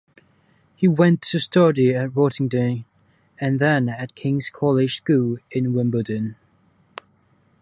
He went to study at Rottingdean and then at King's College School in Wimbledon.